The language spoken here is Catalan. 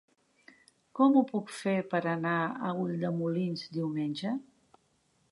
Com ho puc fer per anar a Ulldemolins diumenge?